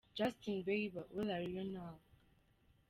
Justin Bieber – “Where Are Ü Now”.